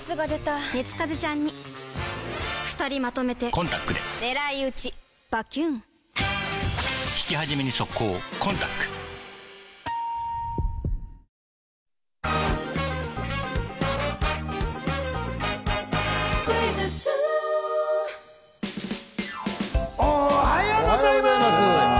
あいみおはようございます。